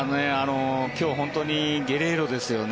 今日本当にゲレーロですよね。